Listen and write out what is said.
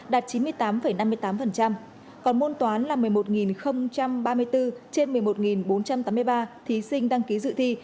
đạt chín mươi tám năm mươi tám còn môn toán là một mươi một ba mươi bốn trên một mươi một bốn trăm tám mươi ba thí sinh đăng ký dự thi